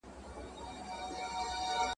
استاد باید په موضوع کي پوره علمي معلومات ولري.